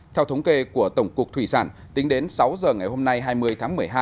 theo thống kê của tổng cục thủy sản tính đến sáu giờ ngày hôm nay hai mươi tháng một mươi hai